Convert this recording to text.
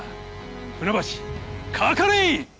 船橋かかれい！